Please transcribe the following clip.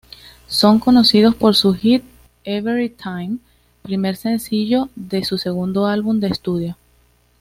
Son conocidos por su hit "Everytime", primer sencillo de su segundo álbum de estudio.